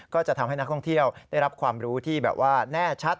ก็จะทำให้นักท่องเที่ยวได้รับความรู้ที่แบบว่าแน่ชัด